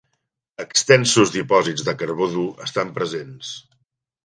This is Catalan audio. Extensos dipòsits de carbó dur estan presents.